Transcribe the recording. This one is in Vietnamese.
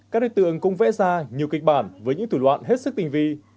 các đối tượng cũng vẽ ra nhiều kịch bản với những thủ loạn hết sức tình vi